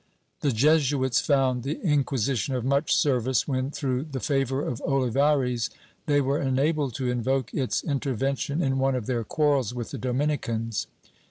The Jesuits found the Inciuisition of much service when, through the favor of Olivares, they were enabled to invoke its intervention in one of their quarrels with the Dominicans.